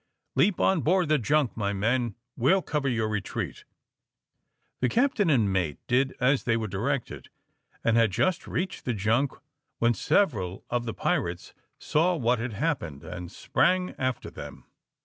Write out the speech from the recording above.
"Leap on board the junk, my men, we'll cover your retreat." The captain and mate did as they were directed, and had just reached the junk when several of the pirates saw what had happened and sprang after them.